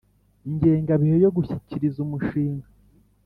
Ingengabihe yo gushyikiriza umushinga